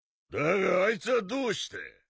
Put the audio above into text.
だがあいつはどうした？